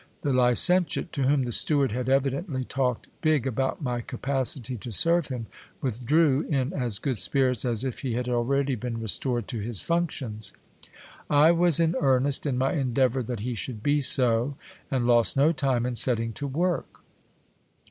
The licentiate, to whom the steward had evidently talked big about my capacity to serve him, withdrew in as good spirits as if he had already been restored to his functions. I was in earnest in my endeavour that he should be so, and lost no time in setting to work.